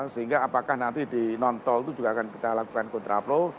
sehingga apakah nanti di non tol itu juga akan kita lakukan kontraplo